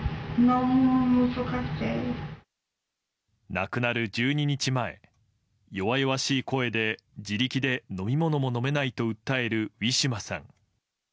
亡くなる１２日前弱々しい声で自力で飲み物も飲めないと訴えるウィシュマさん。